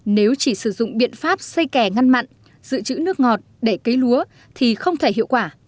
nếu chỉ sử dụng biện pháp xây kè ngăn mặn giữ chữ nước ngọt để cấy lúa thì không thể hiệu quả